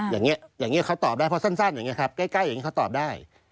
อย่างนี้อย่างนี้เขาตอบได้เพราะสั้นอย่างนี้ครับใกล้อย่างนี้เขาตอบได้